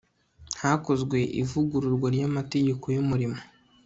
hakozwe ivugururwa ry'amategeko y'umurimo